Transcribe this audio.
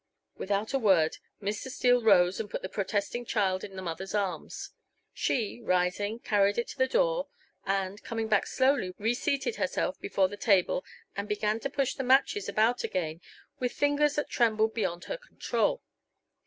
Without a word Mr. Steele rose and put the protesting child in the mother's arms. She, rising, carried it to the door, and, coming slowly back, reseated herself before the table and began to push the matches about again with fingers that trembled beyond her control.